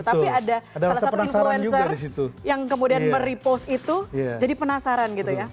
tapi ada salah satu influencer yang kemudian merepost itu jadi penasaran gitu ya